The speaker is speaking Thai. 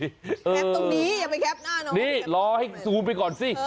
แคปตรงนี้อย่าไปแคปหน้าน้องนี่รอให้ซูมไปก่อนสิ